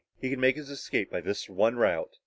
He can make his escape by this one route."